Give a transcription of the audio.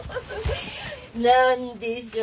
何でしょう？